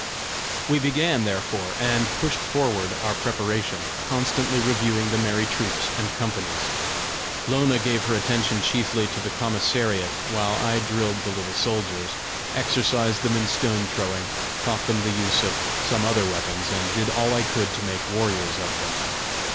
We began, therefore, and pushed forward our preparations, constantly reviewing the merry troops and companies. Lona gave her attention chiefly to the commissariat, while I drilled the little soldiers, exercised them in stone throwing, taught them the use of some other weapons, and did all I could to make warriors of them.